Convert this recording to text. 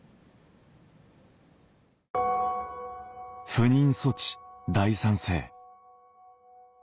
「不妊措置大賛成」